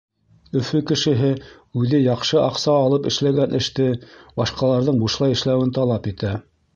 Өфө кешеһе үҙе яҡшы аҡса алып эшләгән эште башҡаларҙың бушлай эшләүен талап итә.